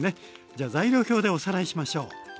じゃあ材料表でおさらいしましょう。